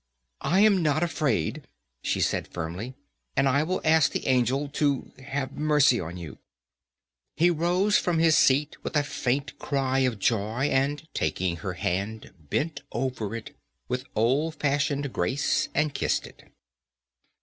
"I am not afraid," she said firmly, "and I will ask the angel to have mercy on you." He rose from his seat with a faint cry of joy, and taking her hand bent over it with old fashioned grace and kissed it.